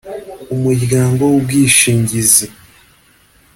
umuryango w’ubwishingizi i